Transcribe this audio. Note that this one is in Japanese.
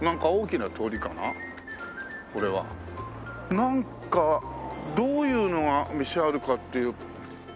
なんかどういうのが店あるかっていう。